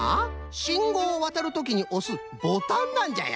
信号をわたるときにおすボタンなんじゃよ！